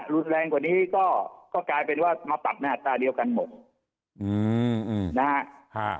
รุนแรงกว่านี้ก็ก็กลายเป็นว่ามาปรับหน้าตาเดียวกันหมดอืมนะฮะ